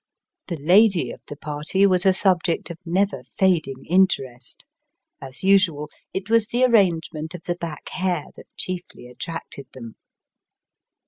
The lady of the party was a subject of never fading interest. As usual, it was the arrangement of the back hair that chiefly attracted them.